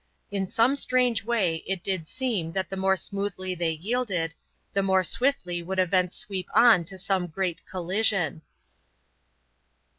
In some strange way it did seem that the more smoothly they yielded, the more swiftly would events sweep on to some great collision.